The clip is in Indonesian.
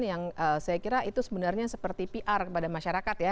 yang saya kira itu sebenarnya seperti pr kepada masyarakat ya